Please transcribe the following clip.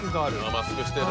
マスクしてる。